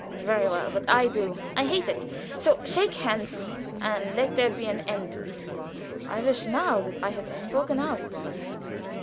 "Very well; but I do. I hate it. So shake hands, and let there be an end of it. I wish now that I had spoken out at first.